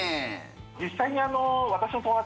実際に私の友達